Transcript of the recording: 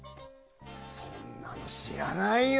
そんなの知らないよ。